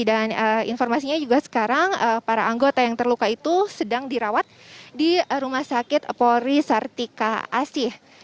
dan informasinya juga sekarang para anggota yang terluka itu sedang dirawat di rumah sakit polri sartika asih